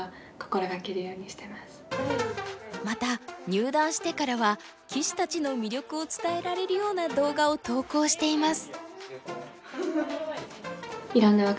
また入段してからは棋士たちの魅力を伝えられるような動画を投稿しています。